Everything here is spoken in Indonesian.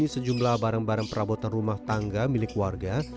sejumlah barang barang perabotan rumah tangga milik warga